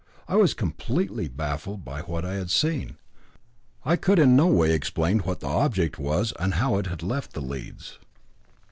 I was completely baffled by what I had seen. I could in no way explain what the object was and how it had left the leads.